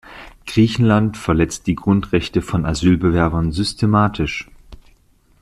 Griechenland verletzt die Grundrechte von Asylbewerbern systematisch.